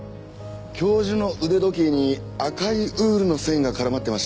教授の腕時計に赤いウールの繊維が絡まってました。